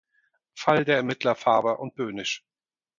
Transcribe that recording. Fall der Ermittler Faber und Bönisch.